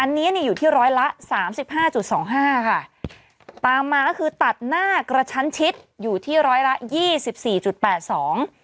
อันนี้นี่อยู่ที่ร้อยละสามสิบห้าจุดสองห้าค่ะตามมาก็คือตัดหน้ากระชั้นชิดอยู่ที่ร้อยละยี่สิบสี่จุดแปดสอง